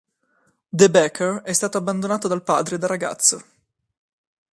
De Backer è stato abbandonato dal padre da ragazzo.